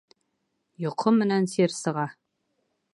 Йоҡо менән сир сыға.